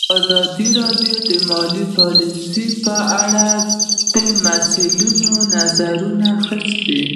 ازادي راډیو د مالي پالیسي په اړه د مسؤلینو نظرونه اخیستي.